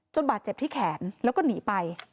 บาดเจ็บที่แขนแล้วก็หนีไป